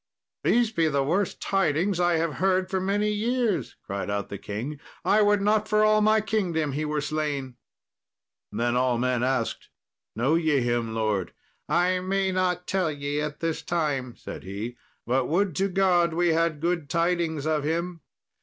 "These be the worst tidings I have heard for many years," cried out the king; "I would not for my kingdom he were slain." Then all men asked, "Know ye him, lord?" "I may not tell ye at this time," said he; "but would to God we had good tidings of him."